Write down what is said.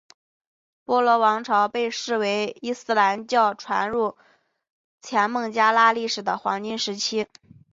波罗王朝被视为伊斯兰教传入前孟加拉历史的黄金时期。